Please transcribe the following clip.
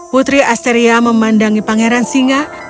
putri asteria memandangi pangeran singa